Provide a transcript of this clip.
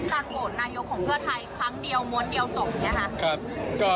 โหวตนายกของเพื่อไทยครั้งเดียวม้วนเดียวจบอย่างนี้ค่ะ